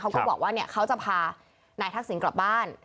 เขาก็บอกว่าเขาจะพานายทักศิลป์กลับบ้าน